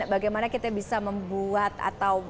bagaimana kita bisa membuat atau